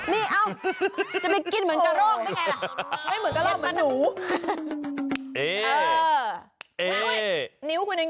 ได้จริง